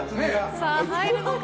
さあ、入るのか。